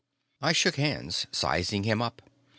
I shook hands, sizing him up.